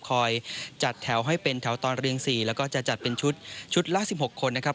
คอยจัดแถวให้เป็นแถวตอนเรียง๔แล้วก็จะจัดเป็นชุดชุดละ๑๖คนนะครับ